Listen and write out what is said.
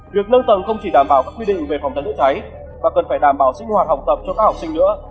việc nâng tầng không chỉ đảm bảo các quy định về phòng cháy chữa cháy mà cần phải đảm bảo sinh hoạt học tập cho các học sinh nữa